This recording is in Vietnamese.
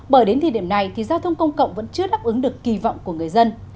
bởi đến thời điểm này thì giao thông công cộng vẫn chưa đáp ứng được kỳ vọng của người dân